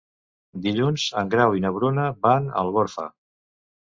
Dilluns en Grau i na Bruna van a Algorfa.